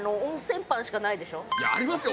いやありますよ！